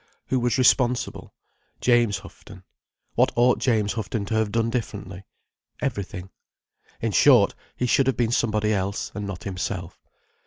Who was responsible? James Houghton. What ought James Houghton to have done differently? Everything. In short, he should have been somebody else, and not himself.